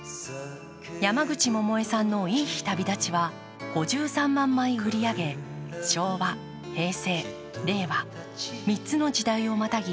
山口百恵さんの「いい日旅立ち」は５３万枚売り上げ、昭和、平成、令和、３つの時代をまたぎ